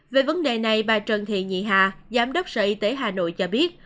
về vấn đề này bà trần thị nhị hà giám đốc sở y tế hà nội cho biết